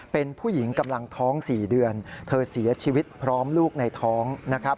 เป็นผู้หญิงกำลังท้อง๔เดือนเธอเสียชีวิตพร้อมลูกในท้องนะครับ